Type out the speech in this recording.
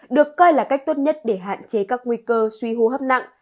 được coi là cách tốt nhất để hạn chế các nguy cơ suy hô hấp nặng